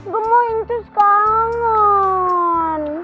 gemoy terus kangen